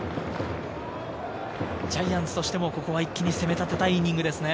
ジャイアンツとしてもここは一気に攻め立てたいイニングですね。